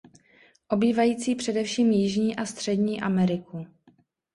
Obývající především jižní a střední Ameriku.